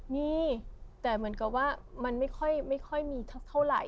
นี่แต่เหมือนกับว่ามันไม่ค่อยไม่ค่อยมีทักเท่าไหร่